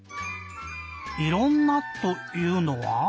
「いろんな」というのは？